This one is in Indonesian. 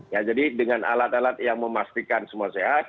ya jadi dengan alat alat yang memastikan semua sehat